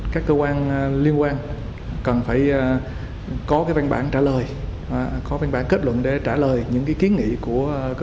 các cơ quan liên quan cần phải có văn bản trả lời có văn bản kết luận để trả lời những kiến nghị của cơ quan